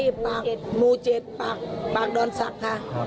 อ่ะเพอดอนศักดิ์มูเจ็ดปากดอนศักดิ์ค่ะ